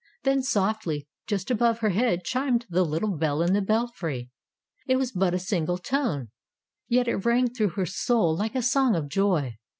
Then softly, just above her head chimed the little bell in the belfry. It was but a single tone, yet it rang through her soul like a song of joy.